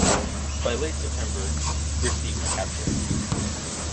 By late September Gristy was captured.